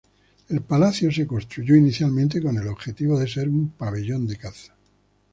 El palacio se construyó inicialmente con el objetivo de ser un pabellón de caza.